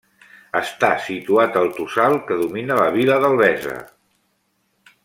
Està situat al tossal que domina la vila d'Albesa.